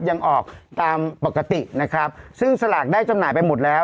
ยังออกตามปกตินะครับซึ่งสลากได้จำหน่ายไปหมดแล้ว